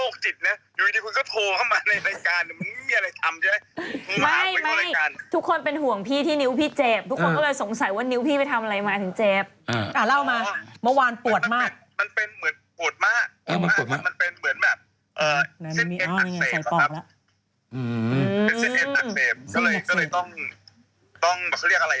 คุณที่เป็นโรคจิตนะอยู่ดีคุณก็โทรเข้ามาในรายการมันไม่มีอะไรทำใช่ไหม